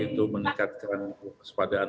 itu meningkatkan kewaspadaan